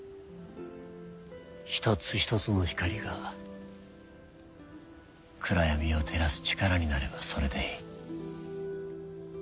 一つ一つの光が暗闇を照らす力になればそれでいい。